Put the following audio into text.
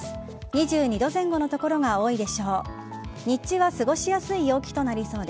２２度前後の所が多いでしょう。